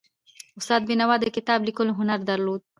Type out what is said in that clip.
استاد بینوا د کتاب لیکلو هنر درلود.